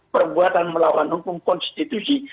perbuatan melawan hukum konstitusi